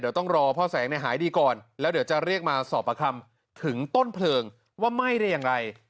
เดี๋ยวต้องรอพ่อแสงหายดีก่อนแล้วเดี๋ยวจะเรียกมาสอบประคำถึงต้นเพลิงว่าไหม้ได้อย่างไร